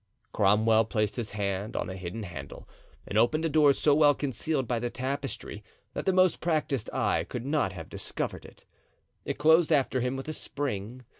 Cromwell placed his hand on a hidden handle and opened a door so well concealed by the tapestry that the most practiced eye could not have discovered it. It closed after him with a spring.